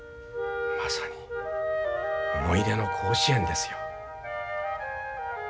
まさに思い出の甲子園ですよ。